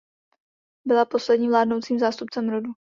Byla posledním vládnoucím zástupcem rodu.